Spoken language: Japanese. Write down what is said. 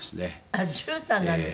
あっじゅうたんなんですか。